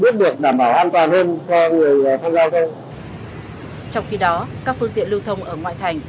trong khi đó các phương tiện lưu thông ở ngoại thành